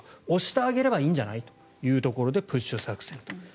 押してあげればいいんじゃないというところでプッシュ作戦と。